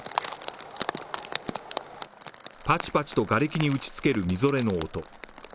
パチパチとがれきに打ちつけるみぞれの音。